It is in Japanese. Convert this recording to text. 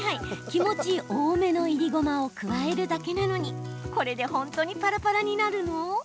気持ち多めのいりごまを加えるだけなのに本当にパラパラになるの？